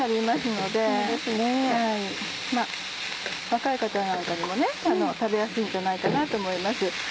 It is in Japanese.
若い方なんかにも食べやすいんじゃないかなと思います。